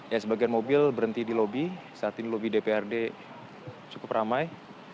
ya sebagian mobil berhenti di lobi saat ini lobi dprd cukup ramai